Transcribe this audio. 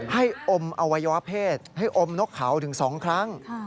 อมอวัยวะเพศให้อมนกเขาถึง๒ครั้ง